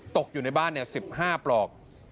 ตกอยู่ในบ้าน๑๕ปลอก